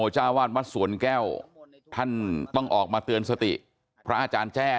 ใช่ครับ